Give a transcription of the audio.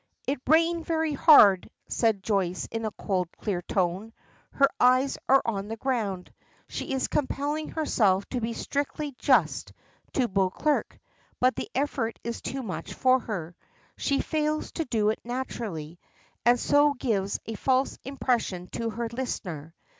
"It rained very hard," says Joyce in a cold, clear tone. Her eyes are on the ground. She is compelling herself to be strictly just to Beauclerk, but the effort is too much for her. She fails to do it naturally, and so gives a false impression to her listener.